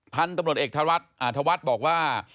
ท่านตำรวจเอกทวัฒน์อาทวัฒน์บอกว่า